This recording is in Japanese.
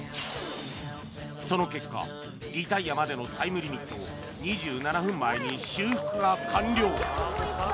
その結果、リタイアまでのタイムリミット２７分前に修復が完了。